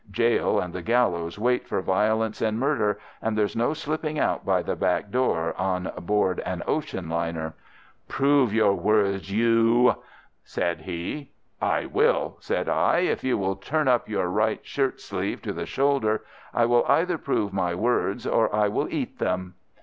Gaol and the gallows wait for violence and murder, and there's no slipping out by the back door on board an ocean liner. "'Prove your words, you——!' said he. "'I will!' said I. 'If you will turn up your right shirt sleeve to the shoulder, I will either prove my words or I will eat them.